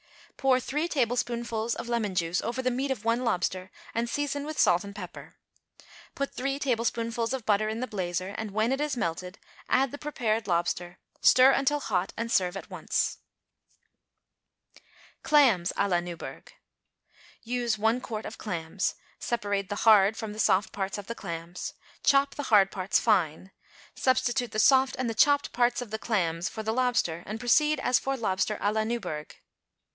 = Pour three tablespoonfuls of lemon juice over the meat of one lobster and season with salt and pepper. Put three tablespoonfuls of butter in the blazer, and, when it is melted, add the prepared lobster; stir until hot and serve at once. =Clams à la Newburgh.= Use one quart of clams. Separate the hard from the soft parts of the clams. Chop the hard parts fine. Substitute the soft and the chopped parts of the clams for the lobster and proceed as for lobster à la Newburgh.